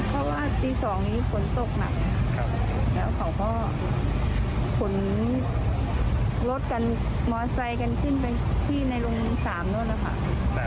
แล้วเขาเพราะฝนรถกันมอไซค์กันขึ้นไปที่ในรุ่ง๓นั่นแหละค่ะ